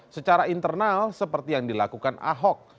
secara internal seperti yang dilakukan ahok